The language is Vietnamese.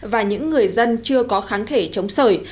và những người dân chưa có kháng thể chống sở